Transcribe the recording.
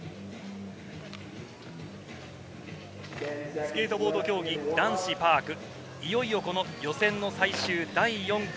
スケートボード競技男子パーク、いよいよ予選の最終第４組。